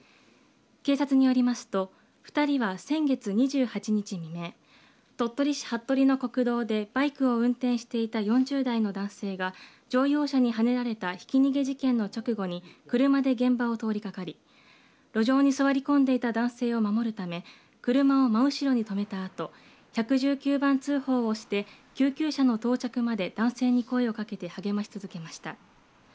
警察によりますと、２人は先月２８日未明鳥取市服部の国道でバイクを運転していた４０代の男性が乗用車にはねられたひき逃げ事件の直後に車で現場を通りかかり路上に座り込んでいた男性を守るため車を真後ろに止めたあと１１９番通報をして救急車の到着まで男性に声をかけて励まし続けました。